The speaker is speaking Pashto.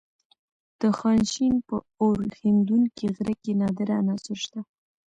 د خانشین په اورښیندونکي غره کې نادره عناصر شته.